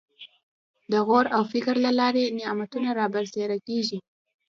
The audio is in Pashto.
د غور او فکر له لارې نعمتونه رابرسېره کېږي.